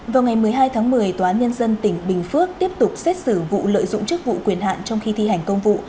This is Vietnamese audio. vào ngày một mươi hai tháng một mươi tòa án nhân dân tỉnh bình phước tiếp tục xét xử vụ lợi dụng chức vụ quyền hạn trong khi thi hành công vụ